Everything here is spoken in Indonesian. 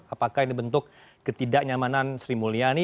apakah ini bentuk ketidaknyamanan sri mulyani